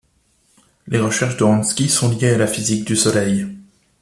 Les recherches de Hansky sont liées à la physique du Soleil.